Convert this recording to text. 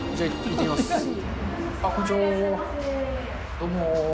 どうもー。